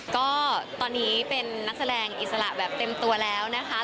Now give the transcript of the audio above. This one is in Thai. ก็ตอนนี้เป็นนักแสดงอิสระแบบเต็มตัวแล้วนะคะ